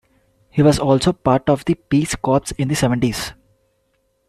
He was also part of the Peace Corps in the seventies.